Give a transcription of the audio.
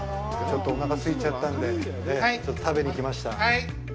ちょっと、おなかすいちゃったので、ちょっと食べに来ました。